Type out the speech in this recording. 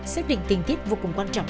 xác định tiền tiết vô cùng quan trọng